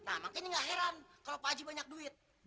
nah makanya gak heran kalau pak haji banyak duit